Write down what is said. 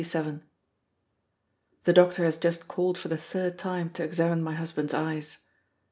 The doctor has just called for the third time to examine my husband's eyes.